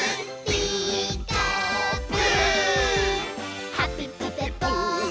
「ピーカーブ！」